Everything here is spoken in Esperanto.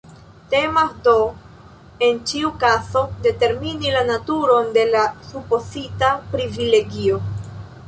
Temas, do, en ĉiu kazo determini la naturon de la supozita “privilegio.